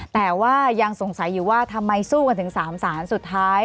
แต่ว่ายังสงสัยอยู่ว่าทำไมสู้กันถึง๓ศาลสุดท้าย